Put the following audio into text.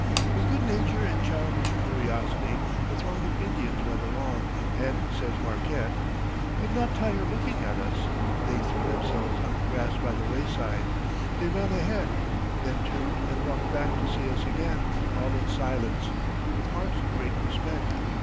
With good nature and childish curiosity, a throng of Indians went along, and says Marquette, "could not tire looking at us; they threw themselves on the grass by the wayside; they ran ahead, then turned and walked back to see us again, all in silence, with marks of great respect."